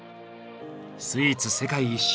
スイーツ世界一周。